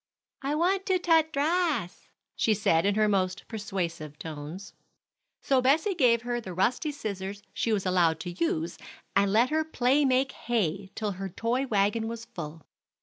"I want to tut drass," she said in her most persuasive tones. So Bessie gave her the rusty scissors she was allowed to use, and let her play make hay till her toy wagon was full.